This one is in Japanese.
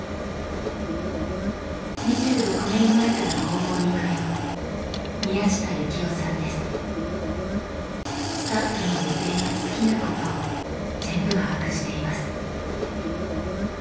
２６年前から工房に通うスタッフの予定や好きなことを全部把握しています。